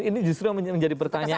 ini justru yang menjadi pertanyaan